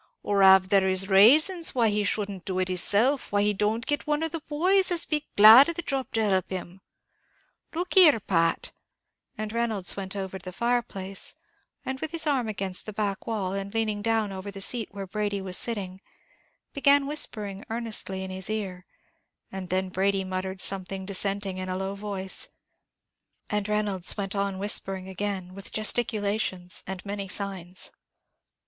or av there is rasons why he shouldn't do it hisself, why don't he get one of the boys as'd be glad of the job to help him. Look here, Pat " and Reynolds went over to the fire place, and with his arm against the back wall and leaning down over the seat where Brady was sitting, began whispering earnestly in his ear; and then Brady muttered something dissenting, in a low voice; and Reynolds went on whispering again, with gesticulations, and many signs.